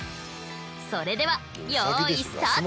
それではよいスタート！